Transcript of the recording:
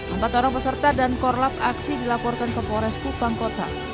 empat orang peserta dan korlap aksi dilaporkan ke pores kupang kota